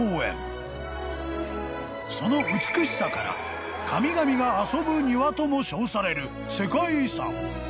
［その美しさから「神々が遊ぶ庭」とも称される世界遺産］